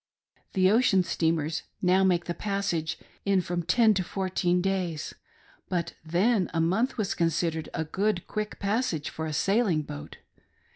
The ocean steamers now make the passage in from ten to fourteen days ; but then a month was con sidered a good, quick passage for a sailing boat.